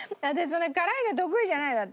そんなに辛いの得意じゃないんだって。